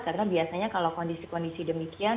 karena biasanya kalau kondisi kondisi demikian